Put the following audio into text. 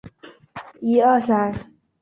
还有两个小时